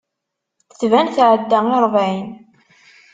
Tban tɛedda i ṛebɛin.